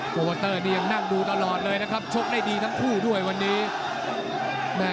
โมเตอร์นี่ยังนั่งดูตลอดเลยนะครับชกได้ดีทั้งคู่ด้วยวันนี้แม่